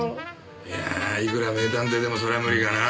いやあいくら名探偵でもそれは無理かなあ。